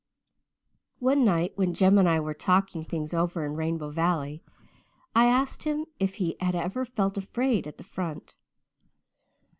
"One night when Jem and I were talking things over in Rainbow Valley, I asked him if he had ever felt afraid at the front.